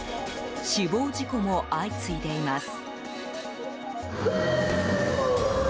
死亡事故も相次いでいます。